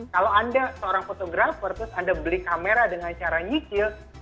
kalau anda seorang fotografer terus anda beli kamera dengan cara nyicil